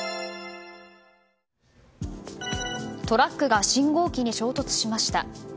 トラックが信号機に衝突しました。